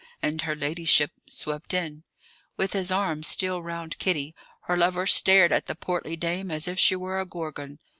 And her ladyship swept in. With his arm still round Kitty, her lover stared at the portly dame as if she were a gorgon.